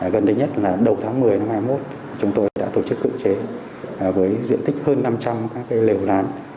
gần đây nhất là đầu tháng một mươi năm hai nghìn hai mươi một chúng tôi đã tổ chức cưỡng chế với diện tích hơn năm trăm linh các lều lán